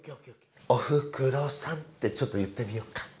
「おふくろさん」ってちょっといってみようか。